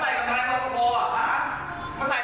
คุณแม่ของปันหรอ